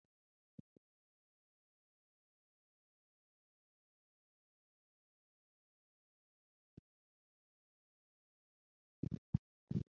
Throughout his long life Edward Sabine received numerous decorations for his contributions to science.